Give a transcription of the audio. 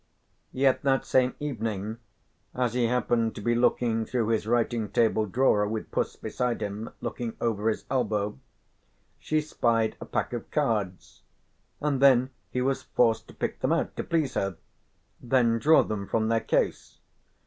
Yet that same evening, as he happened to be looking through his writing table drawer with Puss beside him looking over his elbow, she spied a pack of cards, and then he was forced to pick them out to please her, then draw them from their case.